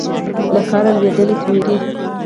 له کاره لوېدلې تیورۍ